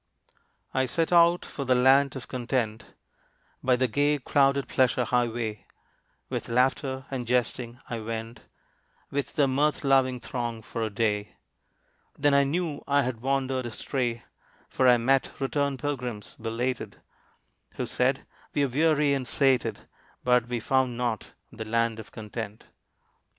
I set out for the Land of Content, By the gay crowded pleasure highway, With laughter, and jesting, I went With the mirth loving throng for a day; Then I knew I had wandered astray, For I met returned pilgrims, belated, Who said, "We are weary and sated, But we found not the Land of Content."